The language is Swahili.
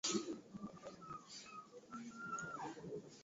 Tulisafiri na gari lao